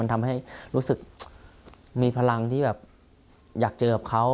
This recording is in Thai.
ทำให้รู้สึกมีพลังที่แบบอยากเจอกับเขา